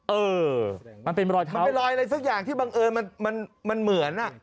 เออมันเป็นรอยเท้ามันเป็นรอยอะไรสักอย่างที่บังเอิญมันเหมือนอ่ะ